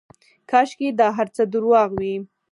کاشکې دا هرڅه درواغ واى.